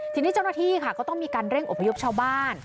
ทีนี้เจ้าหน้าที่ค่ะก็ต้องมีการเร่งอบพยพชาวบ้าน